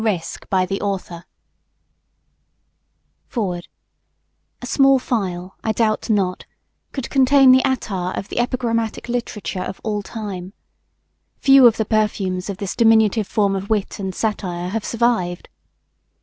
. 109 FOREWORD A SMALL phial, I doubt not, could contain the attar of the epigrammatic literature of all time. Few of the perfumes of this diminutive form of wit and satire have survived.